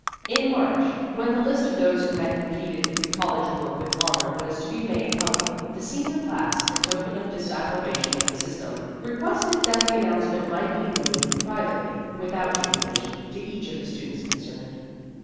In March, when the list of those who had completed the The History of an Ambition 55 college work with honor was to be made public, the senior class, in token of dis approbation of the system, requested that the announcement might be made pri vately, without jubilation, to each of the students concerned.